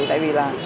tại vì là